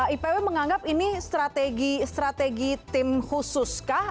ipw menganggap ini strategi tim khusus kah